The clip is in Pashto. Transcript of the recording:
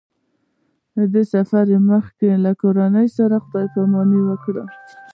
د سفر نه مخکې له کورنۍ سره خدای پاماني وکړه.